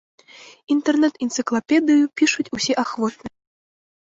Інтэрнэт-энцыклапедыю пішуць усе ахвотныя.